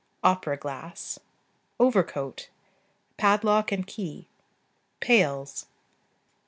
Opera glass. Overcoat. Padlock and key. Pails.